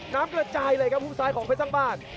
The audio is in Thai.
น้ำกระจายเลยครับหุ้มซ้ายของเพชรสร้างบ้าน